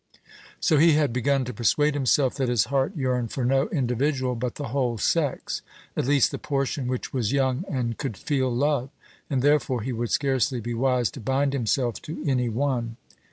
So he had begun to persuade himself that his heart yearned for no individual, but the whole sex at least the portion which was young and could feel love and therefore he would scarcely be wise to bind himself to any one.